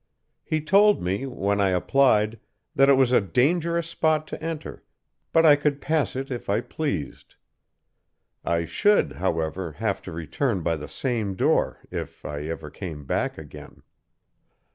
He told me, when I applied, that it was a dangerous spot to enter, but I could pass it if I pleased. I should, however, have to return by the same door, if I ever came back again.